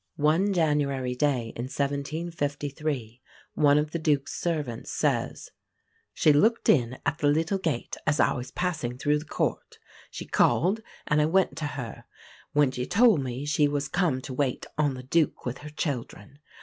One January day in 1753, one of the Duke's servants says, "she looked in at the little gate as I was passing through the court. She called and I went to her, when she told me she was come to wait on the Duke with her children.